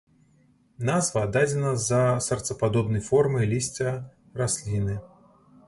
Назва дадзена з-за сэрцападобнай формы лісця расліны.